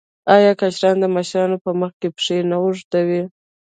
آیا کشران د مشرانو په مخ کې پښې نه اوږدوي؟